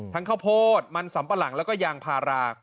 ข้าวโพดมันสำปะหลังแล้วก็ยางพารา